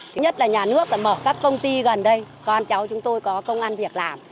thứ nhất là nhà nước đã mở các công ty gần đây con cháu chúng tôi có công an việc làm